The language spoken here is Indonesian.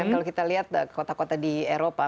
kalau kita lihat kota kota di eropa